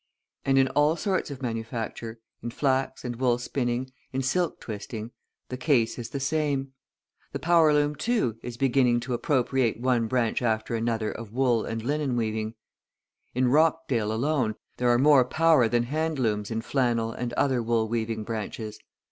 And in all sorts of manufacture, in flax and wool spinning, in silk twisting, the case is the same. The power loom, too, is beginning to appropriate one branch after another of wool and linen weaving; in Rochdale alone, there are more power than hand looms in flannel and other wool weaving branches.